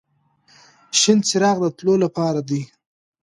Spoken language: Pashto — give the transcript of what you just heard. شین څراغ د تلو لپاره دی.